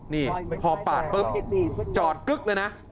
นี่พอปาดปุ๊บจอดกึ๊กเลยนะ